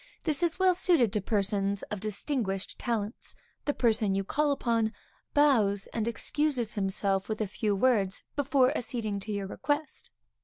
This is well suited to persons of distinguished talents. The person called upon, bows and excuses himself with a few words before acceding to your request.